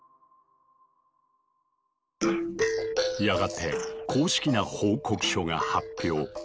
やがて公式な報告書が発表。